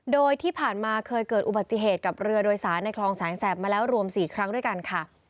โดยที่ผ่านมาเคยเกิดอุบัติเหตุกับเรือโดยสารในคลองแสงแสบมาแล้วรวม๔ครั้งด้วยกันค่ะ